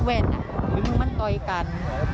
อุ้ยมึงมันต่อยกัน